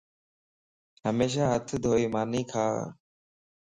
ھميشا ھٿ ڌوئي ماني کا